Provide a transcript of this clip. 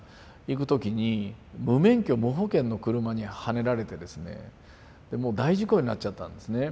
行く時に無免許無保険の車にはねられてですねもう大事故になっちゃったんですね。